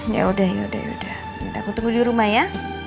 ya udah ya udah ya udah aku tunggu di rumah ya